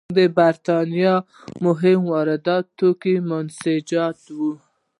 د برېټانیا مهم وارداتي توکي منسوجات وو.